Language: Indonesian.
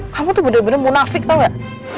kamu tuh bener bener munafik tau gak